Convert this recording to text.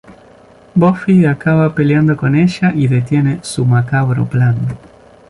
Buffy acaba peleando con ella y detiene su macabro plan.